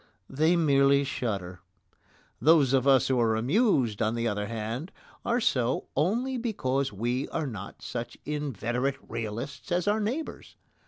they merely shudder. Those of us who are amused, on the other hand, are so only because we are not such inveterate realists as our neighbours.